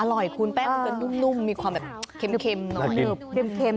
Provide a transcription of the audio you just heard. อร่อยคูณแป้งมันก็นุ่มมีความแบบเข็มหน่อย